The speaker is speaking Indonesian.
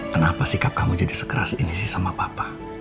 kenapa sikap kamu jadi sekeras ini sih sama papa